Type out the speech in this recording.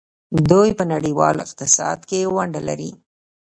دوی په نړیوال اقتصاد کې ونډه لري.